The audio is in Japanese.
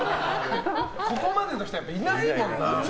ここまでの人はいないもんな。